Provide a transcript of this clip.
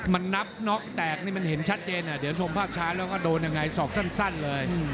มันนับน็อกแตกนี่มันเห็นชัดเจนเดี๋ยวชมภาพช้าแล้วก็โดนยังไงศอกสั้นเลย